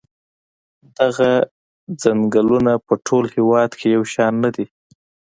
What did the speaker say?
دغه څنګلونه په ټول هېواد کې یو شان نه دي.